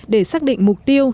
để xác định mục tiêu